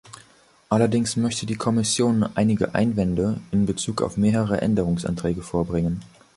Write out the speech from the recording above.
Allerdings möchte die Kommission einige Einwände in Bezug auf mehrere Änderungsanträge vorbringen.